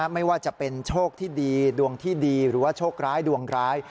ไม่ว่าจะเป็นโชคที่ดีดวงที่ดีหรือว่าโชคร้ายดวงร้าย